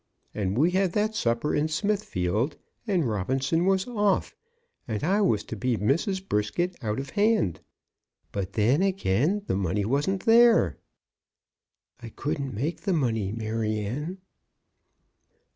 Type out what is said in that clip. And we had that supper in Smithfield, and Robinson was off, and I was to be Mrs. Brisket out of hand. But then, again, the money wasn't there." "I couldn't make the money, Maryanne."